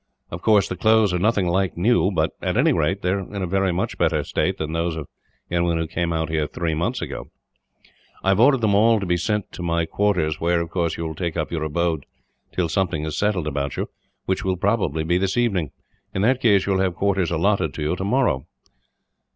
Of course the clothes are nothing like new but, at any rate, they are in a very much better state than those of anyone who came here three months ago. "I have ordered them all to be sent to my quarters where, of course, you will take up your abode till something is settled about you; which will probably be this evening. In that case, you will have quarters allotted to you, tomorrow."